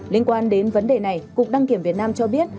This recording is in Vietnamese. liên quan đến vấn đề này cục đăng kiểm việt nam cho biết